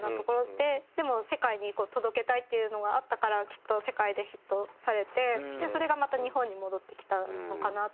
でも世界に届けたいっていうのがあったからきっと世界でヒットされてそれがまた日本に戻ってきたのかなって。